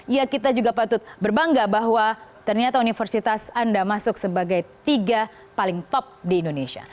ya kita juga patut berbangga bahwa ternyata universitas anda masuk sebagai tiga paling top di indonesia